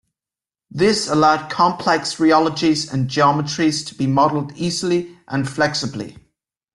This allowed complex rheologies and geometries to be modelled easily and flexibily.